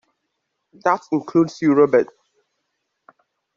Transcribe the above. That includes you, Robert.